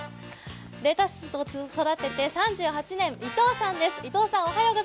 レタスを育てて３８年伊藤さんです。